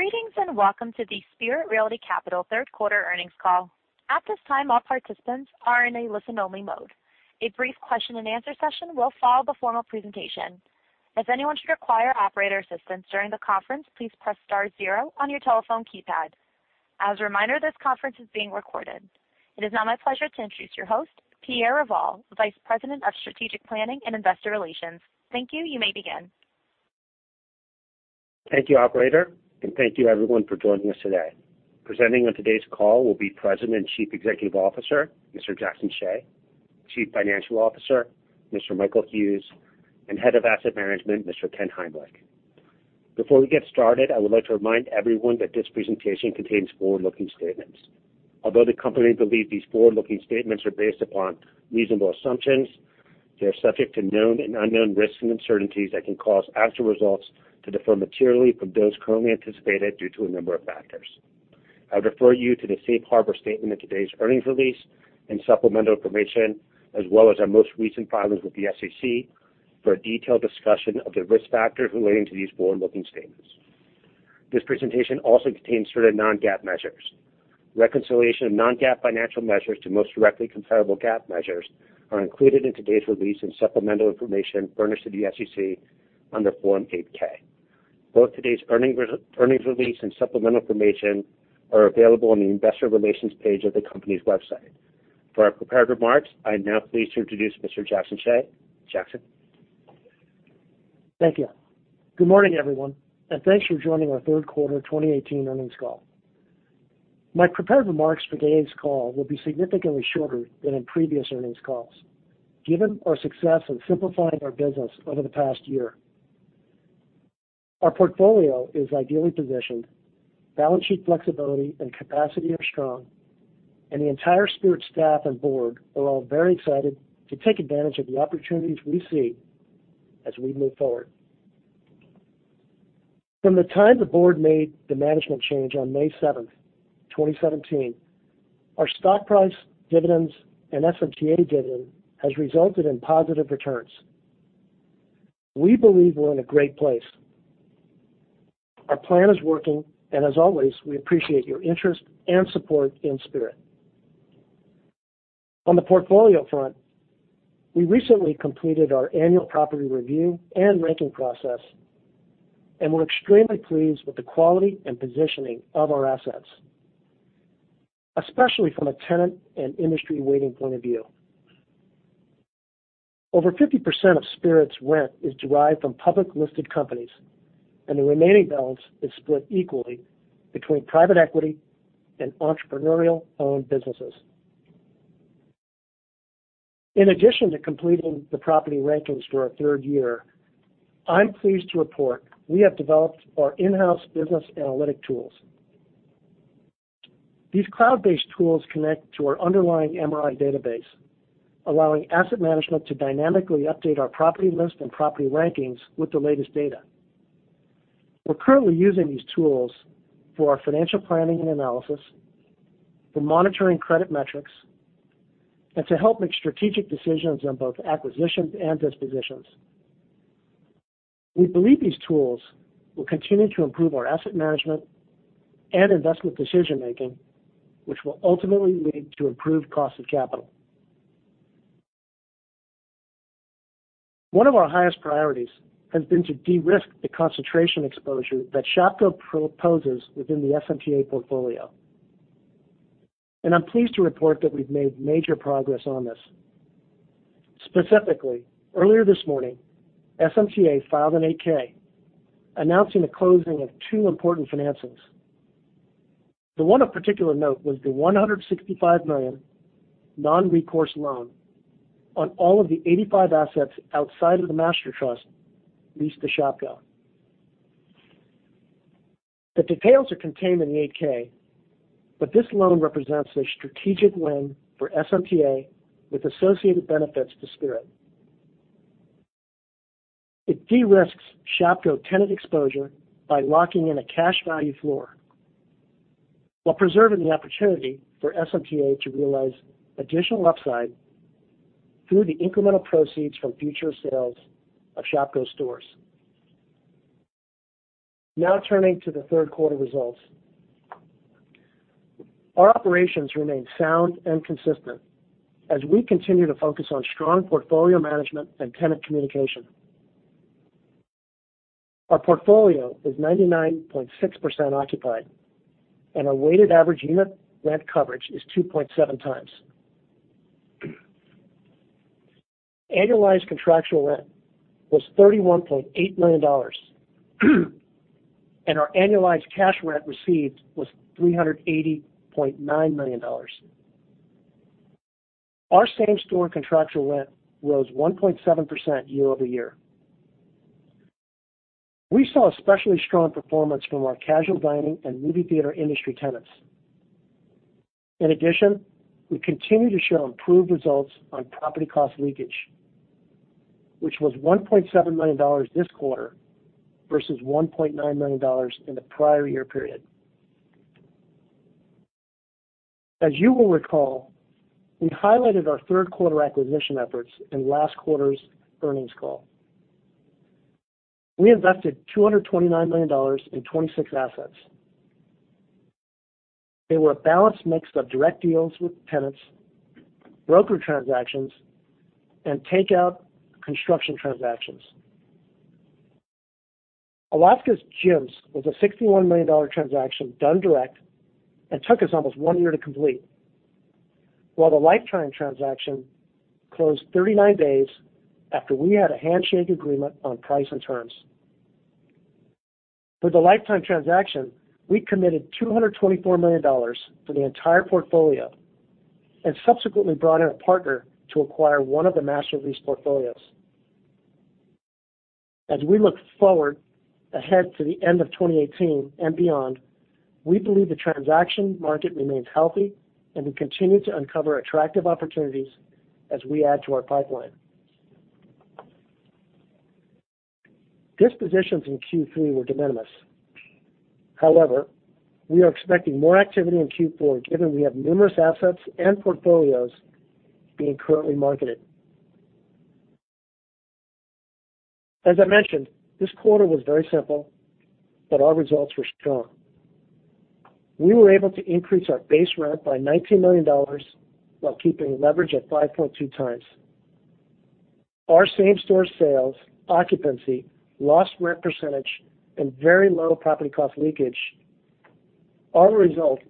Greetings, welcome to the Spirit Realty Capital third quarter earnings call. At this time, all participants are in a listen-only mode. A brief question and answer session will follow the formal presentation. If anyone should require operator assistance during the conference, please press star zero on your telephone keypad. As a reminder, this conference is being recorded. It is now my pleasure to introduce your host, Pierre Revol, Vice President of Strategic Planning and Investor Relations. Thank you. You may begin. Thank you, operator, thank you, everyone, for joining us today. Presenting on today's call will be President and Chief Executive Officer, Mr. Jackson Hsieh, Chief Financial Officer, Mr. Michael Hughes, and Head of Asset Management, Mr. Ken Heimlich. Before we get started, I would like to remind everyone that this presentation contains forward-looking statements. Although the company believes these forward-looking statements are based upon reasonable assumptions, they are subject to known and unknown risks and uncertainties that can cause actual results to differ materially from those currently anticipated due to a number of factors. I would refer you to the safe harbor statement in today's earnings release and supplemental information, as well as our most recent filings with the SEC for a detailed discussion of the risk factors relating to these forward-looking statements. This presentation also contains certain non-GAAP measures. Reconciliation of non-GAAP financial measures to most directly comparable GAAP measures are included in today's release and supplemental information furnished to the SEC under Form 8-K. Both today's earnings release and supplemental information are available on the investor relations page of the company's website. For our prepared remarks, I am now pleased to introduce Mr. Jackson Hsieh. Jackson. Thank you. Good morning, everyone, thanks for joining our third quarter 2018 earnings call. My prepared remarks for today's call will be significantly shorter than in previous earnings calls given our success in simplifying our business over the past year. Our portfolio is ideally positioned, balance sheet flexibility and capacity are strong, and the entire Spirit staff and board are all very excited to take advantage of the opportunities we see as we move forward. From the time the board made the management change on May 7th, 2017, our stock price dividends and SMTA dividend has resulted in positive returns. We believe we're in a great place. Our plan is working, as always, we appreciate your interest and support in Spirit. On the portfolio front, we recently completed our annual property review and ranking process, and we're extremely pleased with the quality and positioning of our assets, especially from a tenant and industry weighting point of view. Over 50% of Spirit's rent is derived from public listed companies, and the remaining balance is split equally between private equity and entrepreneurial-owned businesses. In addition to completing the property rankings for our third year, I'm pleased to report we have developed our in-house business analytic tools. These cloud-based tools connect to our underlying MRI database, allowing asset management to dynamically update our property list and property rankings with the latest data. We're currently using these tools for our financial planning and analysis, for monitoring credit metrics, and to help make strategic decisions on both acquisitions and dispositions. We believe these tools will continue to improve our asset management and investment decision-making, which will ultimately lead to improved cost of capital. One of our highest priorities has been to de-risk the concentration exposure that Shopko proposes within the SMTA portfolio. I'm pleased to report that we've made major progress on this. Specifically, earlier this morning, SMTA filed an 8-K announcing the closing of two important financings. The one of particular note was the $165 million non-recourse loan on all of the 85 assets outside of the master trust leased to Shopko. The details are contained in the 8-K, this loan represents a strategic win for SMTA with associated benefits to Spirit. It de-risks Shopko tenant exposure by locking in a cash value floor while preserving the opportunity for SMTA to realize additional upside through the incremental proceeds from future sales of Shopko stores. Now turning to the third quarter results. Our operations remain sound and consistent as we continue to focus on strong portfolio management and tenant communication. Our portfolio is 99.6% occupied, and our weighted average unit rent coverage is 2.7 times. Annualized contractual rent was $31.8 million, and our annualized cash rent received was $380.9 million. Our same-store contractual rent rose 1.7% year-over-year. We saw especially strong performance from our casual dining and movie theater industry tenants. In addition, we continue to show improved results on property cost leakage, which was $1.7 million this quarter versus $1.9 million in the prior year period. As you will recall, we highlighted our third quarter acquisition efforts in last quarter's earnings call. We invested $229 million in 26 assets. They were a balanced mix of direct deals with tenants, broker transactions, and takeout construction transactions. Alaska Gyms was a $61 million transaction done direct and took us almost one year to complete, while the Life Time transaction closed 39 days after we had a handshake agreement on price and terms. For the Life Time transaction, we committed $224 million for the entire portfolio and subsequently brought in a partner to acquire one of the master lease portfolios. As we look forward ahead to the end of 2018 and beyond, we believe the transaction market remains healthy, and we continue to uncover attractive opportunities as we add to our pipeline. Dispositions in Q3 were de minimis. We are expecting more activity in Q4, given we have numerous assets and portfolios being currently marketed. As I mentioned, this quarter was very simple, our results were strong. We were able to increase our base rent by $19 million while keeping leverage at 5.2 times. Our same-store sales, occupancy, lost rent percentage, and very low property cost leakage are a result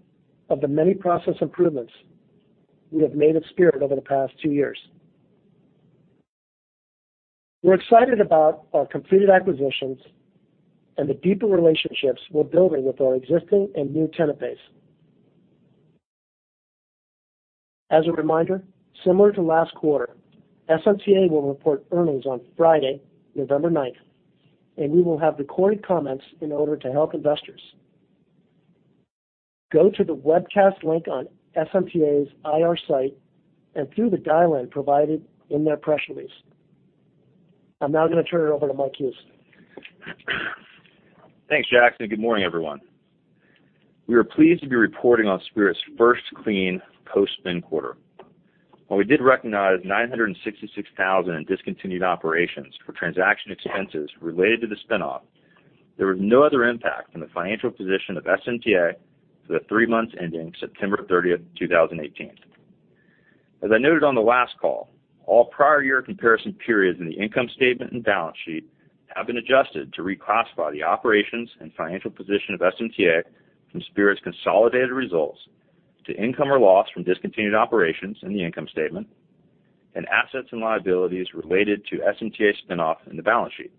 of the many process improvements we have made at Spirit over the past two years. We're excited about our completed acquisitions and the deeper relationships we're building with our existing and new tenant base. As a reminder, similar to last quarter, SMTA will report earnings on Friday, November 9th, and we will have recorded comments in order to help investors. Go to the webcast link on SMTA's IR site and through the dial-in provided in their press release. I'm now going to turn it over to Mike Hughes. Thanks, Jackson. Good morning, everyone. We are pleased to be reporting on Spirit's first clean post-spin quarter. While we did recognize $966,000 in discontinued operations for transaction expenses related to the spin-off, there was no other impact on the financial position of SMTA for the three months ending September 30th, 2018. As I noted on the last call, all prior year comparison periods in the income statement and balance sheet have been adjusted to reclassify the operations and financial position of SMTA from Spirit's consolidated results to income or loss from discontinued operations in the income statement, and assets and liabilities related to SMTA spin-off in the balance sheet.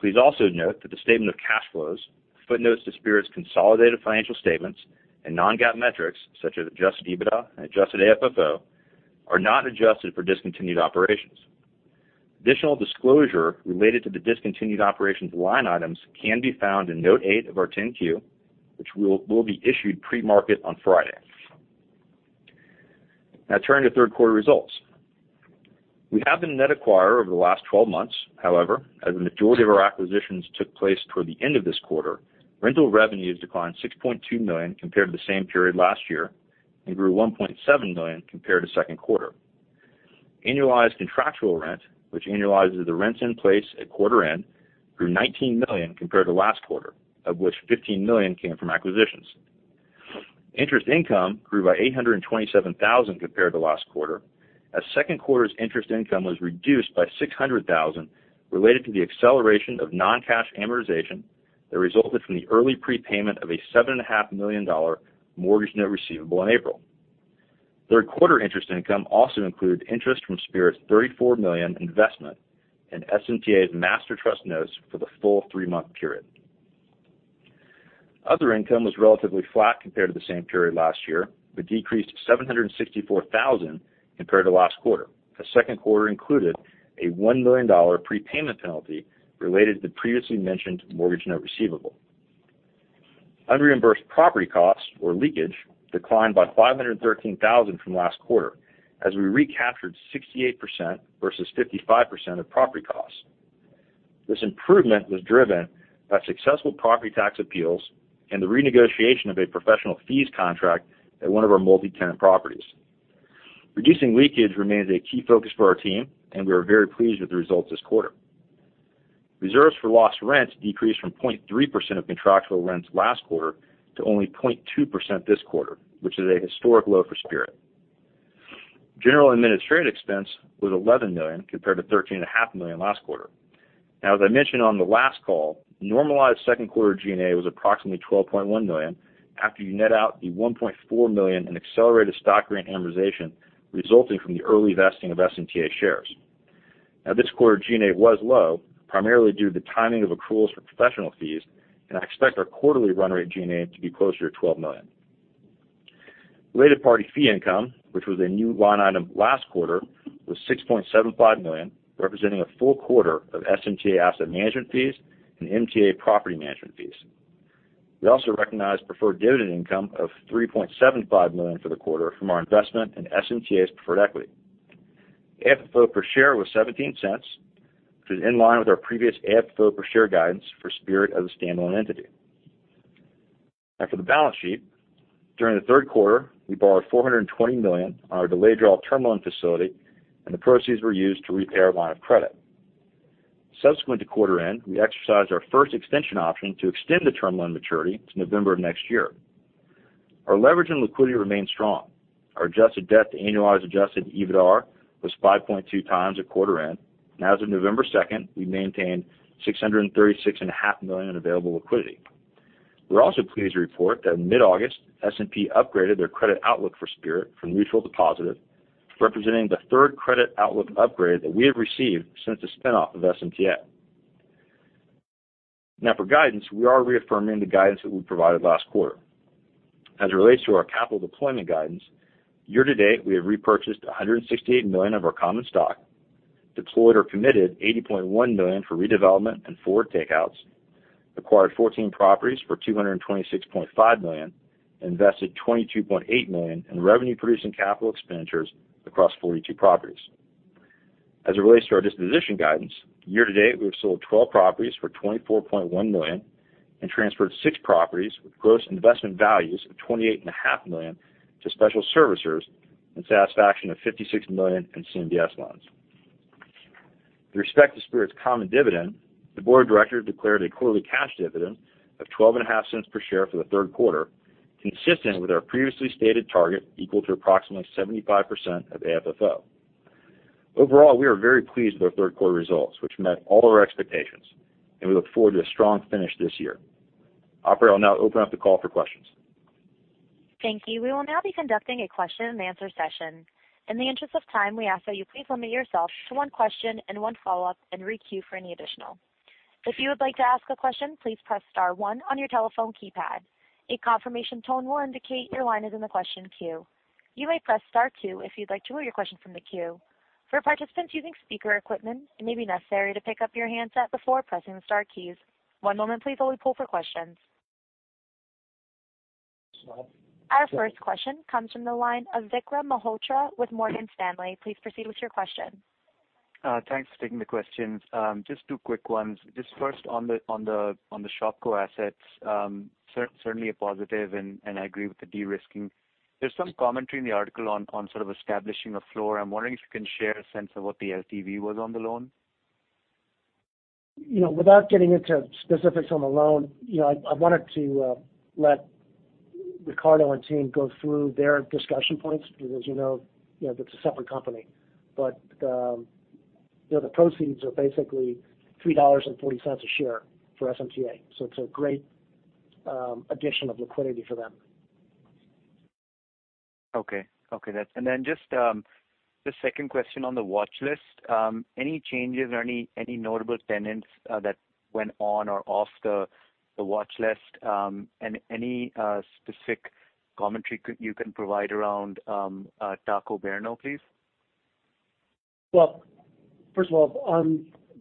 Please also note that the statement of cash flows, footnotes to Spirit's consolidated financial statements, and non-GAAP metrics such as adjusted EBITDA and adjusted AFFO are not adjusted for discontinued operations. Additional disclosure related to the discontinued operations line items can be found in Note Eight of our 10-Q, which will be issued pre-market on Friday. Now turning to third quarter results. We have been a net acquirer over the last 12 months. However, as the majority of our acquisitions took place toward the end of this quarter, rental revenues declined $6.2 million compared to the same period last year and grew $1.7 million compared to the second quarter. Annualized contractual rent, which annualizes the rents in place at quarter end, grew $19 million compared to last quarter, of which $15 million came from acquisitions. Interest income grew by $827,000 compared to last quarter as second quarter's interest income was reduced by $600,000 related to the acceleration of non-cash amortization that resulted from the early prepayment of a $7.5 million mortgage note receivable in April. Third quarter interest income also included interest from Spirit's $34 million investment in SMTA's master trust notes for the full three-month period. Other income was relatively flat compared to the same period last year, but decreased to $764,000 compared to last quarter, as second quarter included a $1 million prepayment penalty related to the previously mentioned mortgage note receivable. Unreimbursed property costs or leakage declined by $513,000 from last quarter, as we recaptured 68% versus 55% of property costs. This improvement was driven by successful property tax appeals and the renegotiation of a professional fees contract at one of our multi-tenant properties. Reducing leakage remains a key focus for our team, and we are very pleased with the results this quarter. Reserves for lost rents decreased from 0.3% of contractual rents last quarter to only 0.2% this quarter, which is a historic low for Spirit. General and administrative expense was $11 million compared to $13.5 million last quarter. As I mentioned on the last call, normalized second quarter G&A was approximately $12.1 million after you net out the $1.4 million in accelerated stock grant amortization resulting from the early vesting of SMTA shares. This quarter, G&A was low, primarily due to the timing of accruals for professional fees, and I expect our quarterly run rate G&A to be closer to $12 million. Related party fee income, which was a new line item last quarter, was $6.75 million, representing a full quarter of SMTA asset management fees and SMTA property management fees. We also recognized preferred dividend income of $3.75 million for the quarter from our investment in SMTA's preferred equity. AFFO per share was $0.17, which is in line with our previous AFFO per share guidance for Spirit as a standalone entity. For the balance sheet. During the third quarter, we borrowed $420 million on our delayed draw term loan facility, and the proceeds were used to repay our line of credit. Subsequent to quarter end, we exercised our first extension option to extend the term loan maturity to November of next year. Our leverage and liquidity remain strong. Our adjusted debt to annualized adjusted EBITDA was 5.2 times at quarter end. As of November 2nd, we maintained $636.5 million in available liquidity. We are also pleased to report that in mid-August, S&P upgraded their credit outlook for Spirit from neutral to positive, representing the third credit outlook upgrade that we have received since the spinoff of SMTA. For guidance, we are reaffirming the guidance that we provided last quarter. As it relates to our capital deployment guidance, year-to-date, we have repurchased $168 million of our common stock, deployed or committed $80.1 million for redevelopment and forward takeouts, acquired 14 properties for $226.5 million, and invested $22.8 million in revenue-producing capital expenditures across 42 properties. As it relates to our disposition guidance, year-to-date, we have sold 12 properties for $24.1 million and transferred six properties with gross investment values of $28.5 million to special servicers in satisfaction of $56 million in CMBS loans. With respect to Spirit's common dividend, the board of directors declared a quarterly cash dividend of $0.125 per share for the third quarter, consistent with our previously stated target equal to approximately 75% of AFFO. Overall, we are very pleased with our third quarter results, which met all our expectations, and we look forward to a strong finish this year. Operator, I will now open up the call for questions. Thank you. We will now be conducting a question-and-answer session. In the interest of time, we ask that you please limit yourself to one question and one follow-up and re-queue for any additional. If you would like to ask a question, please press star one on your telephone keypad. A confirmation tone will indicate your line is in the question queue. You may press star two if you'd like to remove your question from the queue. For participants using speaker equipment, it may be necessary to pick up your handset before pressing the star keys. One moment please while we poll for questions. Our first question comes from the line of Vikram Malhotra with Morgan Stanley. Please proceed with your question. Thanks for taking the questions. Just two quick ones. Just first on the Shopko assets. Certainly a positive. I agree with the de-risking. There's some commentary in the article on sort of establishing a floor. I'm wondering if you can share a sense of what the LTV was on the loan. Without getting into specifics on the loan, I wanted to let Ricardo and team go through their discussion points because as you know, that's a separate company. The proceeds are basically $3.40 a share for SMTA. It's a great addition of liquidity for them. Okay. Just the second question on the watch list. Any changes or any notable tenants that went on or off the watch list? Any specific commentary you can provide around Taco Bueno, please? First of all,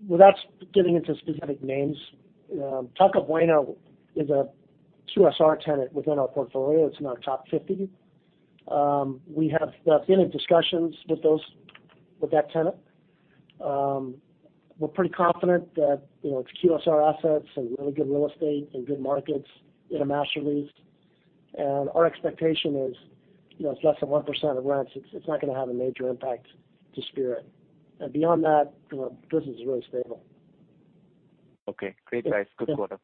without getting into specific names, Taco Bueno is a QSR tenant within our portfolio. It's in our top 50. We have been in discussions with that tenant. We're pretty confident that it's QSR assets and really good real estate in good markets in a master lease. Our expectation is, it's less than 1% of rents. It's not going to have a major impact to Spirit. Beyond that, the business is really stable. Okay. Great. Thanks. Good quarter.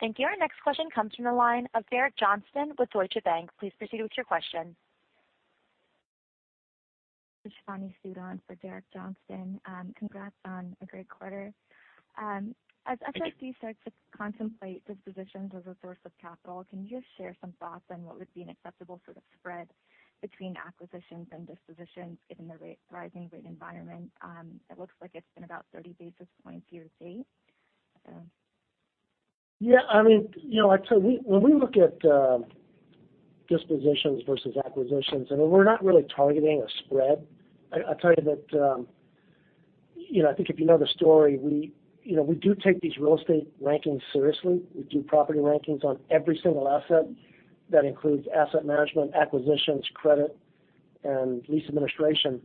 Thank you. Our next question comes from the line of Derek Johnston with Deutsche Bank. Please proceed with your question. This is Bonnie Sudan for Derek Johnston. Congrats on a great quarter. Thank you. As SRC starts to contemplate dispositions as a source of capital, can you just share some thoughts on what would be an acceptable sort of spread between acquisitions and dispositions given the rising rate environment? It looks like it's been about 30 basis points year-to-date. Yeah. I tell you, when we look at dispositions versus acquisitions, we're not really targeting a spread. I tell you that, I think if you know the story, we do take these real estate rankings seriously. We do property rankings on every single asset. That includes asset management, acquisitions, credit, and lease administration.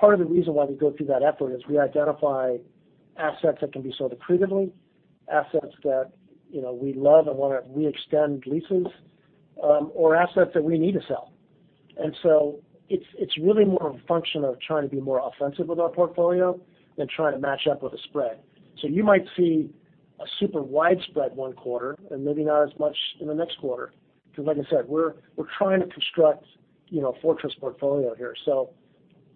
Part of the reason why we go through that effort is we identify assets that can be sold accretively, assets that we love and want to re-extend leases, or assets that we need to sell. It's really more of a function of trying to be more offensive with our portfolio than trying to match up with a spread. You might see a super wide spread one quarter and maybe not as much in the next quarter, because like I said, we're trying to construct a fortress portfolio here.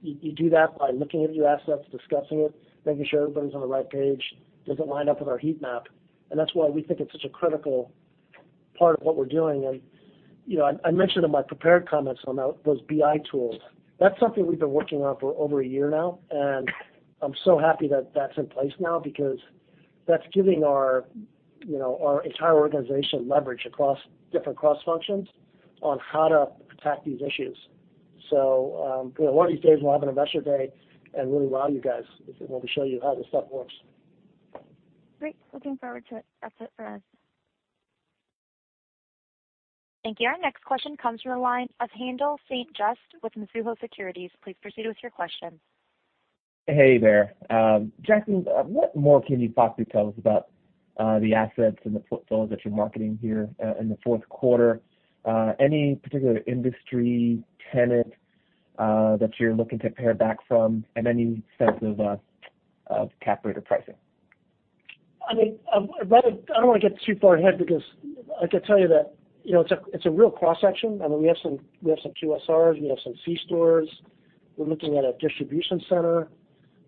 You do that by looking at your assets, discussing it, making sure everybody's on the right page, does it line up with our heat map, and that's why we think it's such a critical part of what we're doing. I mentioned in my prepared comments on those BI tools. That's something we've been working on for over a year now, and I'm so happy that that's in place now because that's giving our entire organization leverage across different cross-functions on how to attack these issues. One of these days, we'll have an investor day and really wow you guys if we show you how this stuff works. Great. Looking forward to it. That's it for us. Thank you. Our next question comes from the line of Haendel St. Juste with Mizuho Securities. Please proceed with your question. Hey there. Jackson, what more can you possibly tell us about the assets and the portfolios that you're marketing here in the fourth quarter? Any particular industry tenant that you're looking to pare back from and any sense of cap rate or pricing? I don't want to get too far ahead because I could tell you that it's a real cross-section. We have some QSRs, we have some C-stores. We're looking at a distribution center.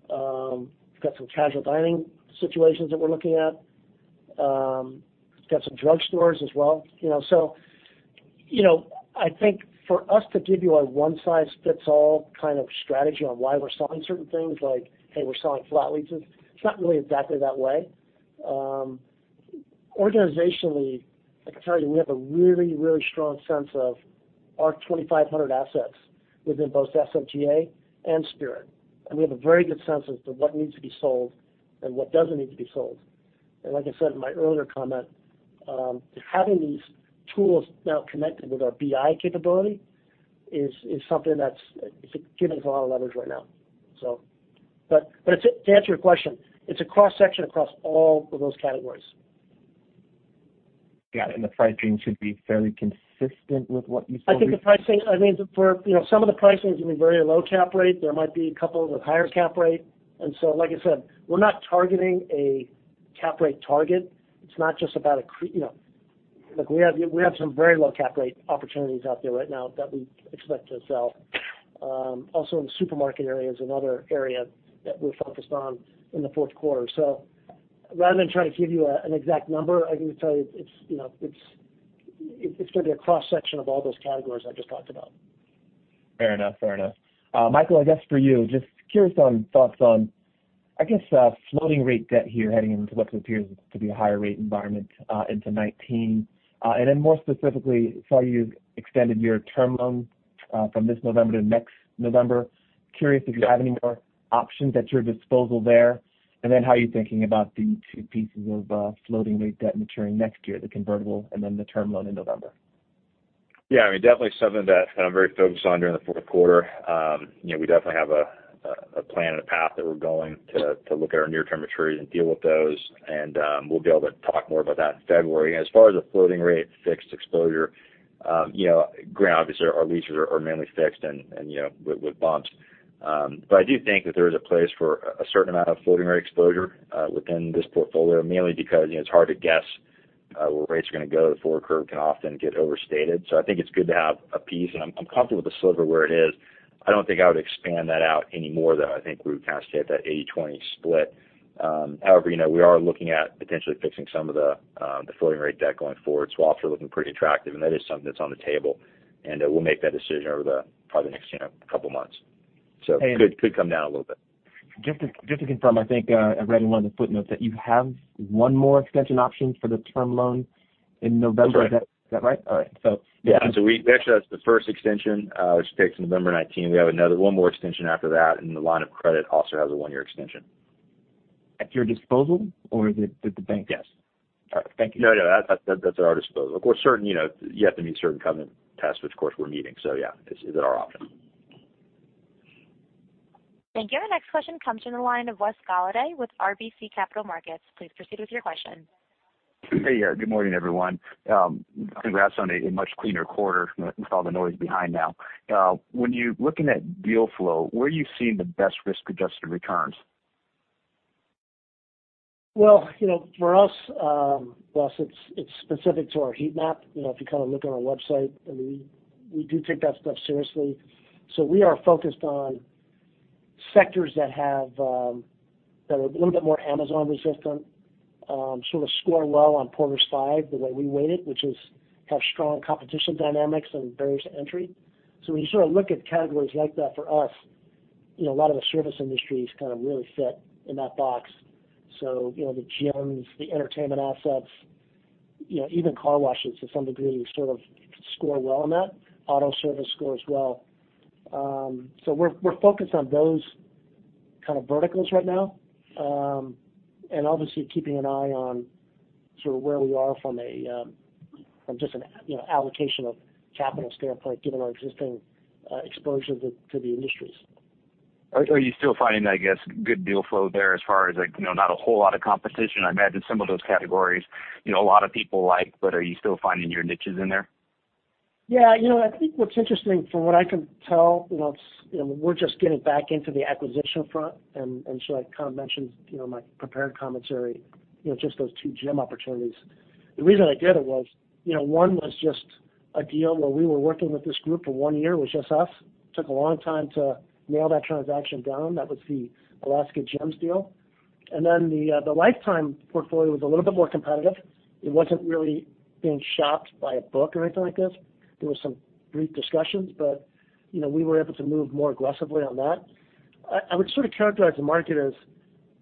We've got some casual dining situations that we're looking at. We've got some drugstores as well. I think for us to give you a one-size-fits-all kind of strategy on why we're selling certain things like, hey, we're selling flat leases, it's not really exactly that way. Organizationally, I can tell you, we have a really, really strong sense of our 2,500 assets within both SMTA and Spirit, and we have a very good sense as to what needs to be sold and what doesn't need to be sold. Like I said in my earlier comment, having these tools now connected with our BI capability is something that's a given for all levels right now. To answer your question, it's a cross-section across all of those categories. Got it. The pricing should be fairly consistent with what you sold. I think some of the pricing is going to be very low cap rate. There might be a couple with higher cap rate. Like I said, we're not targeting a cap rate target. It's not just about. We have some very low cap rate opportunities out there right now that we expect to sell. Also in the supermarket area is another area that we're focused on in the fourth quarter. Rather than trying to give you an exact number, I can tell you it's going to be a cross-section of all those categories I just talked about. Fair enough. Michael, I guess for you, just curious on thoughts on, I guess, floating rate debt here heading into what appears to be a higher rate environment into 2019. More specifically, saw you've extended your term loan from this November to next November. Curious if you have any more options at your disposal there, and then how you're thinking about the two pieces of floating rate debt maturing next year, the convertible, and then the term loan in November. Definitely something that I'm very focused on during the fourth quarter. We definitely have a plan and a path that we're going to look at our near-term maturities and deal with those, and we'll be able to talk more about that in February. As far as the floating rate fixed exposure, granted, obviously our leases are mainly fixed and with bumps. I do think that there is a place for a certain amount of floating rate exposure within this portfolio, mainly because it's hard to guess where rates are going to go. The forward curve can often get overstated. I think it's good to have a piece, and I'm comfortable with the sliver where it is. I don't think I would expand that out any more, though. I think we would kind of stay at that 80/20 split. We are looking at potentially fixing some of the floating rate debt going forward. Swaps are looking pretty attractive, and that is something that's on the table, and we'll make that decision over the, probably next couple of months. Could come down a little bit. Just to confirm, I think I read in one of the footnotes that you have one more extension option for the term loan in November. That's right. Is that right? All right. Yeah. Actually, that's the first extension, which takes November 2019. We have another one more extension after that, and the line of credit also has a one-year extension. At your disposal, or at the bank? Yes. All right. Thank you. No, that's at our disposal. Of course, you have to meet certain covenant tests, which of course we're meeting, yeah, this is at our option. Thank you. Our next question comes from the line of Wes Golladay with RBC Capital Markets. Please proceed with your question. Hey. Good morning, everyone. Congrats on a much cleaner quarter with all the noise behind now. When you're looking at deal flow, where are you seeing the best risk-adjusted returns? Well, for us, Wes, it's specific to our heat map. If you kind of look on our website, we do take that stuff seriously. We are focused on sectors that are a little bit more Amazon-resistant, sort of score well on Porter's Five, the way we weight it, which is have strong competition dynamics and barriers to entry. When you sort of look at categories like that for us, a lot of the service industries kind of really fit in that box. The gyms, the entertainment assets, even car washes to some degree sort of score well on that. Auto service scores well. We're focused on those kind of verticals right now. Obviously keeping an eye on sort of where we are from just an allocation of capital standpoint, given our existing exposure to the industries. Are you still finding, I guess, good deal flow there as far as not a whole lot of competition? I imagine some of those categories a lot of people like, but are you still finding your niches in there? Yeah. I think what's interesting from what I can tell, we're just getting back into the acquisition front. I kind of mentioned in my prepared commentary, just those two gym opportunities. The reason I did it was one was just a deal where we were working with this group for one year. It was just us. Took a long time to nail that transaction down. That was the Alaska Gyms deal. Then the Life Time portfolio was a little bit more competitive. It wasn't really being shopped by a book or anything like this. There were some brief discussions, but we were able to move more aggressively on that. I would sort of characterize the market as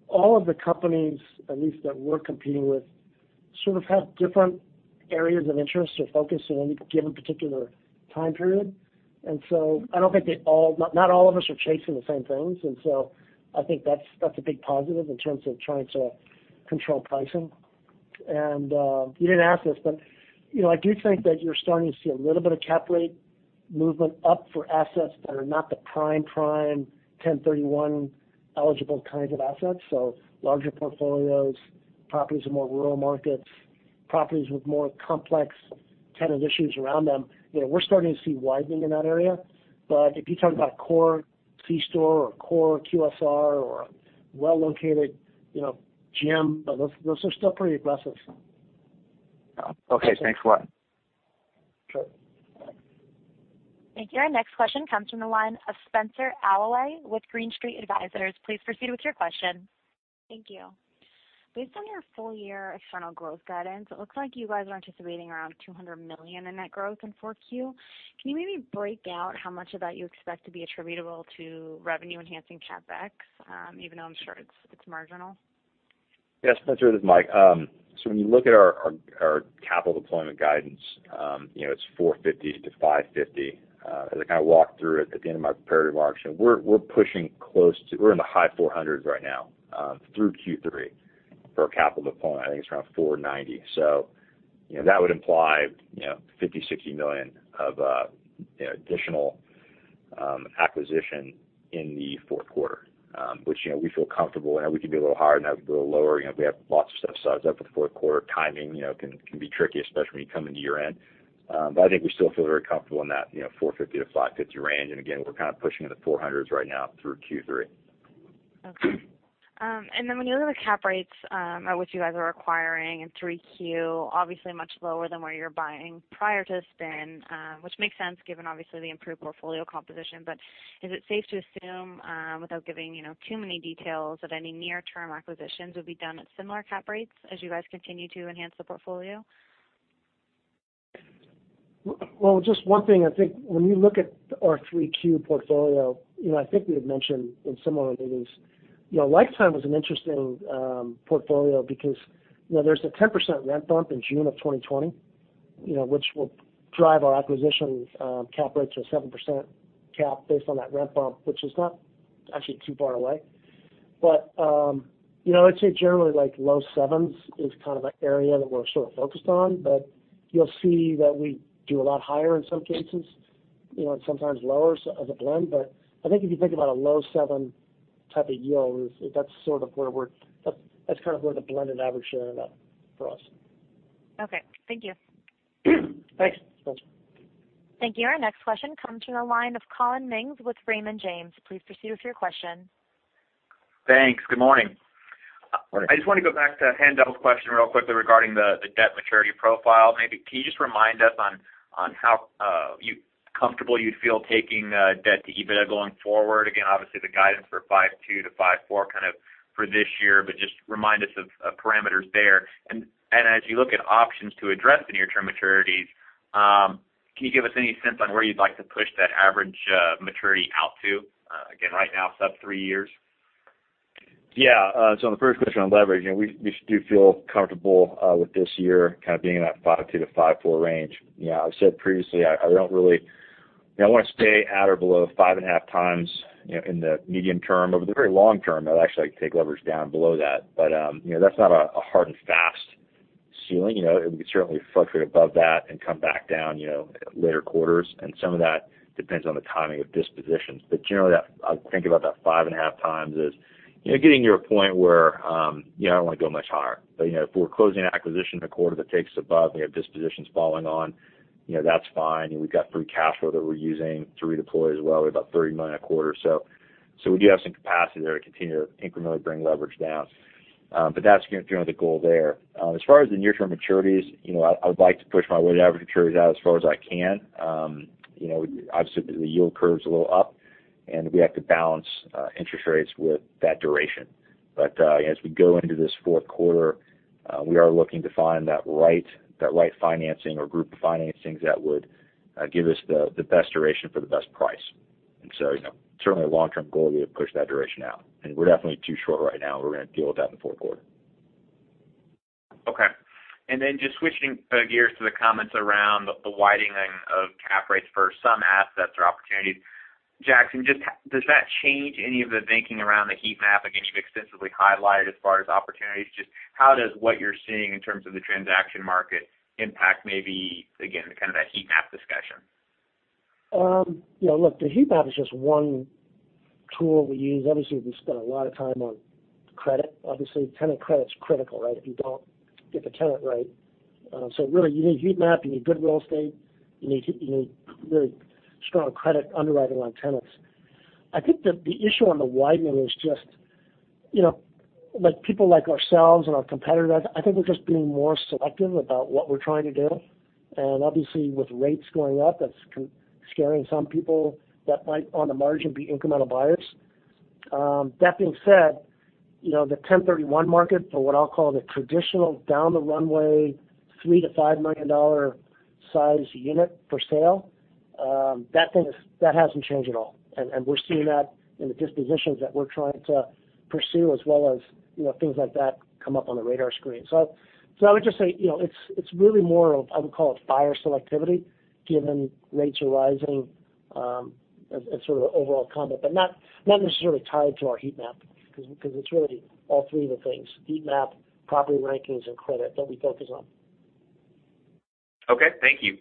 all of the companies, at least that we're competing with. Sort of have different areas of interest or focus in any given particular time period. I don't think that. Not all of us are chasing the same things. I think that's a big positive in terms of trying to control pricing. You didn't ask this, but I do think that you're starting to see a little bit of cap rate movement up for assets that are not the prime, 1031-eligible kinds of assets. So larger portfolios, properties in more rural markets, properties with more complex tenant issues around them. We're starting to see widening in that area. But if you talk about core C store or core QSR or well-located gym, those are still pretty aggressive. Okay. Thanks a lot. Sure. Thank you. Our next question comes from the line of Spenser Allaway with Green Street Advisors. Please proceed with your question. Thank you. Based on your full-year external growth guidance, it looks like you guys are anticipating around $200 million in net growth in 4Q. Can you maybe break out how much of that you expect to be attributable to revenue-enhancing CapEx? Even though I'm sure it's marginal. Yeah, Spenser, this is Mike. When you look at our capital deployment guidance, it's $450-$550. As I kind of walked through it at the end of my prepared remarks, we're in the high 400s right now, through Q3 for capital deployment. I think it's around $490. That would imply $50 million-$60 million of additional acquisition in the fourth quarter, which we feel comfortable in how we can be a little higher, now we can be a little lower. We have lots of stuff sized up for the fourth quarter. Timing can be tricky, especially when you come into year-end. I think we still feel very comfortable in that $450-$550 range. Again, we're kind of pushing in the 400s right now through Q3. Okay. When you look at the cap rates, at which you guys are acquiring in 3Q, obviously much lower than where you're buying prior to the spin. Which makes sense given obviously the improved portfolio composition. Is it safe to assume, without giving too many details, that any near-term acquisitions would be done at similar cap rates as you guys continue to enhance the portfolio? Well, just one thing. I think when you look at our 3Q portfolio, I think we had mentioned in similar meetings, Life Time was an interesting portfolio because there's a 10% rent bump in June of 2020, which will drive our acquisitions cap rates to a 7% cap based on that rent bump, which is not actually too far away. I'd say generally like low sevens is kind of an area that we're sort of focused on. You'll see that we do a lot higher in some cases, and sometimes lower as a blend. I think if you think about a low 7 type of yield, that's kind of where the blended average ended up for us. Okay. Thank you. Thanks. Thanks. Thank you. Our next question comes from the line of Collin Mings with Raymond James. Please proceed with your question. Thanks. Good morning. Morning. I just want to go back to Haendel's question real quickly regarding the debt maturity profile. Maybe can you just remind us on how comfortable you'd feel taking debt to EBITDA going forward? Again, obviously the guidance for 5.2 to 5.4 kind of for this year, but just remind us of parameters there. As you look at options to address the near-term maturities, can you give us any sense on where you'd like to push that average maturity out to? Again, right now it's up three years. Yeah. On the first question on leverage, we do feel comfortable with this year kind of being in that 5.2 to 5.4 range. I've said previously, I want to stay at or below 5.5 times, in the medium term. Over the very long term, I'd actually like to take leverage down below that. That's not a hard and fast ceiling. It could certainly fluctuate above that and come back down later quarters, some of that depends on the timing of dispositions. Generally, I would think about that 5.5 times as getting to your point where I don't want to go much higher. If we're closing an acquisition in a quarter that takes us above and we have dispositions following on, that's fine. We've got free cash flow that we're using to redeploy as well. We have about $30 million a quarter. We do have some capacity there to continue to incrementally bring leverage down. That's generally the goal there. As far as the near-term maturities, I would like to push my weighted average maturities out as far as I can. Obviously the yield curve's a little up, and we have to balance interest rates with that duration. As we go into this fourth quarter, we are looking to find that right financing or group of financings that would give us the best duration for the best price. Certainly a long-term goal, we push that duration out, and we're definitely too short right now, and we're going to deal with that in the fourth quarter. Okay. Just switching gears to the comments around the widening of cap rates for some assets or opportunities. Jackson, does that change any of the thinking around the heat map? Again, you've extensively highlighted as far as opportunities. Just how does what you're seeing in terms of the transaction market impact maybe, again, kind of that heat map discussion? Look, the heat map is just one tool we use. Obviously, we spend a lot of time on credit. Obviously, tenant credit's critical, right? If you don't get the tenant right. Really, you need a heat map, you need good real estate, you need really strong credit underwriting on tenants. I think that the issue on the widening is just people like ourselves and our competitors, I think we're just being more selective about what we're trying to do. Obviously with rates going up, that's scaring some people that might, on the margin, be incremental buyers. That being said, the 1031 market or what I'll call the traditional down the runway, $3 million to $5 million size unit for sale. That thing, that hasn't changed at all. We're seeing that in the dispositions that we're trying to pursue, as well as things like that come up on the radar screen. I would just say, it's really more of, I would call it buyer selectivity, given rates are rising as sort of an overall comment, but not necessarily tied to our heat map because it's really all three of the things, heat map, property rankings, and credit that we focus on. Okay, thank you.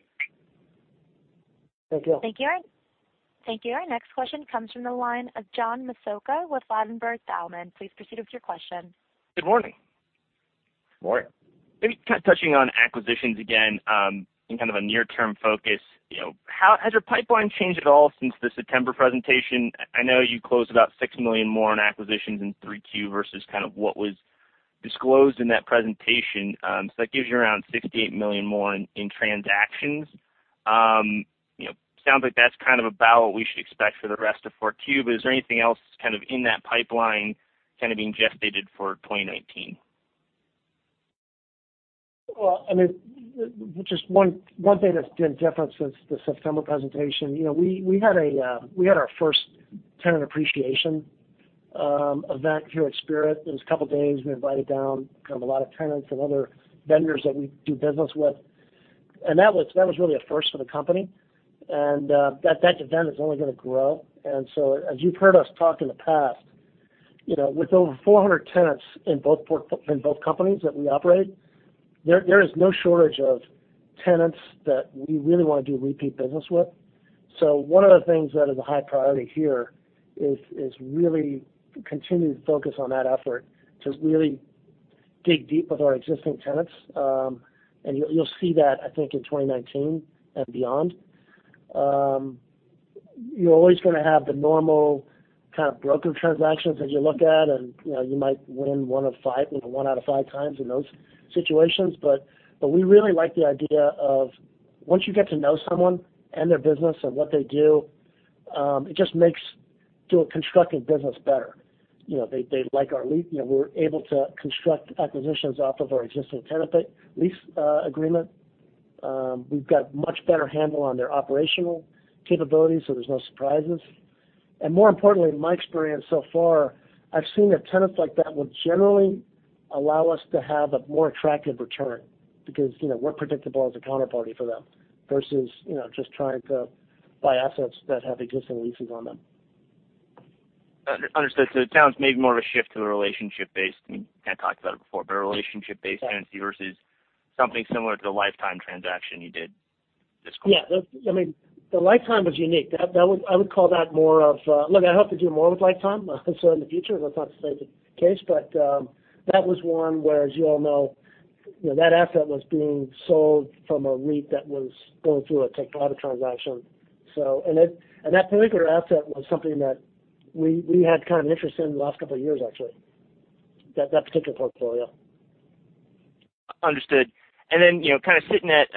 Thank you. Thank you. Our next question comes from the line of John Massocca with Ladenburg Thalmann. Please proceed with your question. Good morning. Morning. Maybe kind of touching on acquisitions again, in kind of a near-term focus. Has your pipeline changed at all since the September presentation? I know you closed about $6 million more on acquisitions in 3Q versus kind of what was disclosed in that presentation. That gives you around $68 million more in transactions. Sounds like that's kind of about what we should expect for the rest of 4Q, is there anything else kind of in that pipeline kind of being gestated for 2019? Just one thing that's been different since the September presentation, we had our first tenant appreciation event here at Spirit. It was a couple of days. We invited down kind of a lot of tenants and other vendors that we do business with. That was really a first for the company, and that event is only going to grow. As you've heard us talk in the past, with over 400 tenants in both companies that we operate, there is no shortage of tenants that we really want to do repeat business with. One of the things that is a high priority here is really continuing to focus on that effort to really dig deep with our existing tenants. You'll see that, I think, in 2019 and beyond. You're always going to have the normal kind of broker transactions as you look at, you might win 1 out of 5 times in those situations. We really like the idea of once you get to know someone and their business and what they do, it just makes doing constructive business better. They like our lease. We're able to construct acquisitions off of our existing tenant-based lease agreement. We've got a much better handle on their operational capabilities, so there's no surprises. More importantly, in my experience so far, I've seen that tenants like that will generally allow us to have a more attractive return because we're predictable as a counterparty for them versus just trying to buy assets that have existing leases on them. Understood. It sounds maybe more of a shift to a relationship based, you kind of talked about it before, a relationship-based tenancy versus something similar to the Life Time transaction you did this quarter. Yeah. The Life Time was unique. I would call that more of a Look, I hope to do more with Life Time in the future. That's not to say the case, that was one where, as you all know, that asset was being sold from a REIT that was going through a tax audit transaction. That particular asset was something that we had kind of an interest in the last couple of years, actually, that particular portfolio. Understood. Then kind of sitting at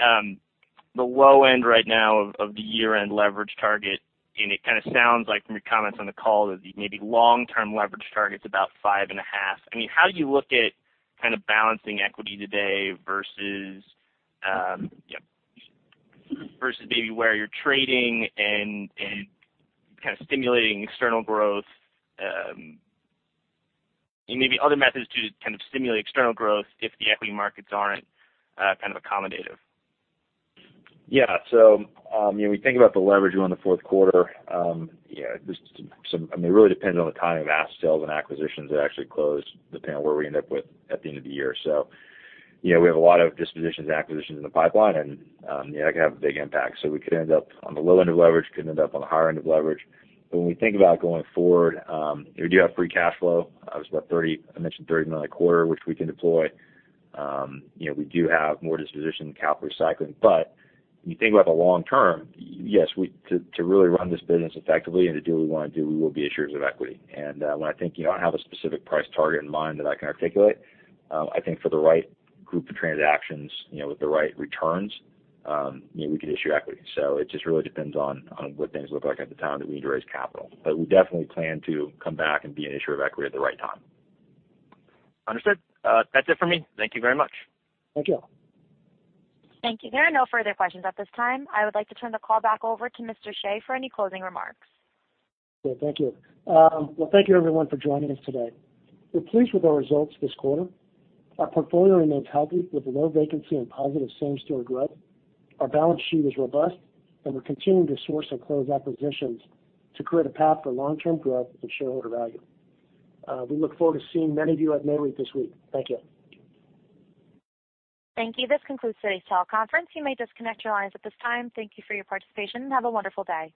the low end right now of the year-end leverage target, it kind of sounds like from your comments on the call that maybe long-term leverage target's about 5.5. How do you look at kind of balancing equity today versus maybe where you're trading and kind of stimulating external growth, maybe other methods to kind of stimulate external growth if the equity markets aren't kind of accommodative? When we think about the leverage we're on the fourth quarter, it really depends on the timing of asset sales and acquisitions that actually close, depending on where we end up with at the end of the year. We have a lot of dispositions and acquisitions in the pipeline, and that could have a big impact. We could end up on the low end of leverage, could end up on the higher end of leverage. When we think about going forward, we do have free cash flow. I mentioned $30 million a quarter, which we can deploy. We do have more disposition and capital recycling. When you think about the long term, yes, to really run this business effectively and to do what we want to do, we will be issuers of equity. When I think, I don't have a specific price target in mind that I can articulate. I think for the right group of transactions with the right returns, we could issue equity. It just really depends on what things look like at the time that we need to raise capital. We definitely plan to come back and be an issuer of equity at the right time. Understood. That's it for me. Thank you very much. Thank you. Thank you. There are no further questions at this time. I would like to turn the call back over to Mr. Hsieh for any closing remarks. Okay. Thank you. Well, thank you, everyone, for joining us today. We're pleased with our results this quarter. Our portfolio remains healthy with low vacancy and positive same-store growth. Our balance sheet is robust, and we're continuing to source and close acquisitions to create a path for long-term growth and shareholder value. We look forward to seeing many of you at Nareit this week. Thank you. Thank you. This concludes today's teleconference. You may disconnect your lines at this time. Thank you for your participation, and have a wonderful day.